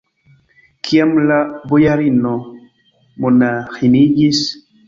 Kiam la bojarino monaĥiniĝis?